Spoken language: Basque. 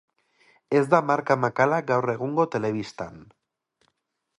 Ez da marka makala gaur egungo telebistan.